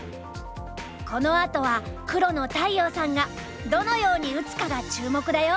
このあとは黒の大遥さんがどのように打つかが注目だよ。